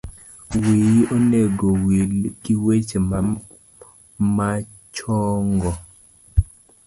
Wiyi onego owil giweche machongo